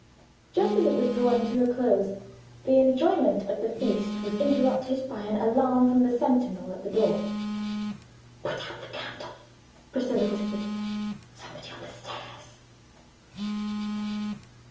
Just as it was drawing to a close, the enjoyment of the feast was interrupted by an alarm from the sentinel at the door. "Put out the candle!" Priscilla whispered "Somebody on the stairs."